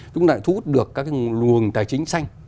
chúng ta thút được các cái luồng tài chính xanh